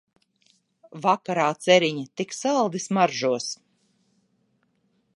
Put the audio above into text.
Vakarā ceriņi tik saldi smaržos.